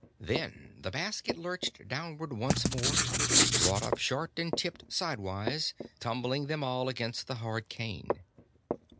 Then the basket lurched downward once more, brought up short, and tipped sidewise, tumbling them all against the hard cane.